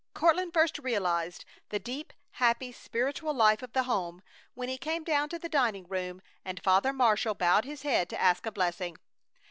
Courtland first realized the deep, happy, spiritual life of the home when he came down to the dining room and Father Marshall bowed his head to ask a blessing.